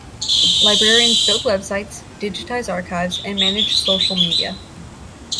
Librarians build websites, digitize archives, and manage social media.